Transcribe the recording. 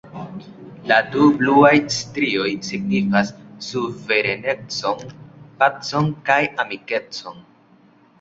La du bluaj strioj signifas suverenecon, pacon kaj amikecon.